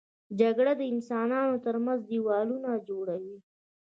جګړه د انسانانو تر منځ دیوالونه جوړوي